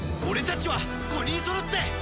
俺たちは５人そろって。